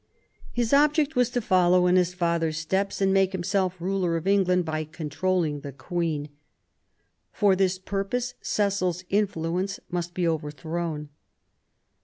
His object was to follow in his father's steps and make himself ruler of England by controUing the Queen. For this purpose Cecil's influence must be over thrown.